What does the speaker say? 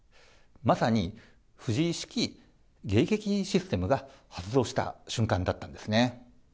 まさに藤井式迎撃システムが発動した瞬間だったんですね。